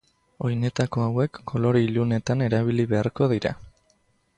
Oinetako hauek kolore ilunetan erabili beharko dira.